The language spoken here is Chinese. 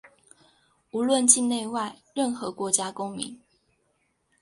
无论境内外、任何国家公民